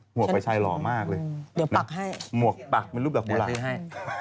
หมวกปลายชายหล่อมากเลยเดี๋ยวปักให้หมวกปักเป็นรูปหลักบุราณ